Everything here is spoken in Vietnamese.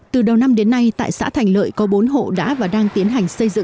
từ đầu năm đến nay tại xã thành lợi có bốn hộ đã và đang tiến hành